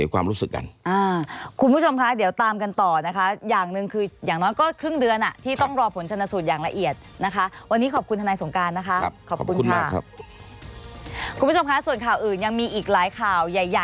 คุณผู้ชมคะส่วนข่าวอื่นยังมีอีกหลายข่าวใหญ่